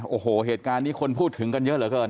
โอ้โหเหตุการณ์นี้คนพูดถึงกันเยอะเหลือเกิน